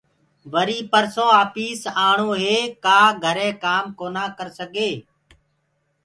وريٚ پرسونٚ آپيٚس آڻو هي ڪآ گھري ڪآم ڪونآ ڪرسگي